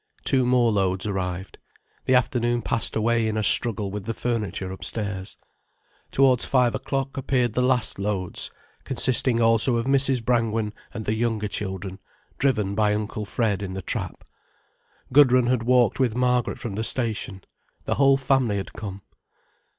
Two more loads arrived. The afternoon passed away in a struggle with the furniture, upstairs. Towards five o'clock, appeared the last loads, consisting also of Mrs. Brangwen and the younger children, driven by Uncle Fred in the trap. Gudrun had walked with Margaret from the station. The whole family had come.